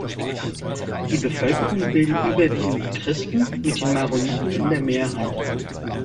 Die Bevölkerung bilden überwiegend Christen, mit den Maroniten in der Mehrheit.